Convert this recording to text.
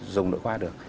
dùng nội khoa được